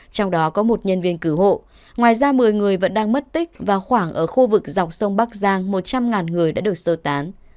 trong đó có một nhân viên cứu hộ ngoài ra một mươi người vẫn đang mất tích và khoảng ở khu vực dọc sông bắc giang một trăm linh người đã được sơ tán